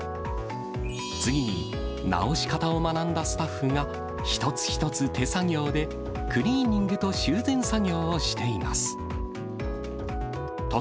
次に、直し方を学んだスタッフが、一つ一つ手作業で、クリーニングと修繕作業をしています。